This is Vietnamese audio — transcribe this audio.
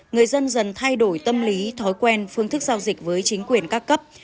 người dân dần thay đổi tâm lý thói quen phương thức giao dịch với chính quyền các cấp